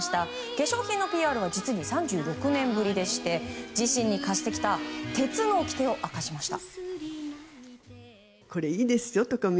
化粧品のＰＲは実に３６年ぶりでして自身に課してきた鉄のおきてを明かしました。